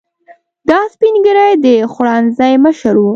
دا سپین ږیری د خوړنځای مشر و.